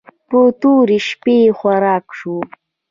په تورې شپې خوراک شو.